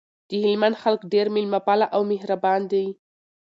دهلمند خلګ ډیر میلمه پاله او مهربان دي